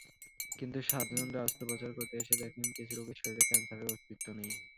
কিন্তু সার্জনরা অস্ত্রোপচার করতে এসে দেখেন, কিছু রোগীর শরীরে ক্যানসারের অস্তিত্ব নেই।